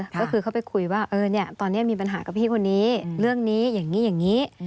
ก็คือเขาไปคุยว่าตอนนี้มีปัญหากับพี่คนนี้เรื่องนี้อย่างนี้อย่างนี้